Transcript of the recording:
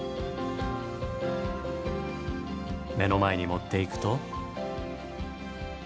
目の前に持っていくと。